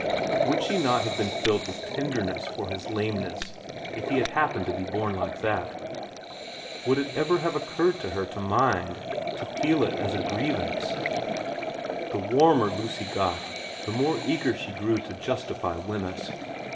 Would she not have been filled with tenderness for his lameness if he had happened to be born like that ? Would it ever have occurred to her to mind, to feel it as a grievance ? The warmer Lucy got the more eager she grew to xx VERA 223 justify Wemyss.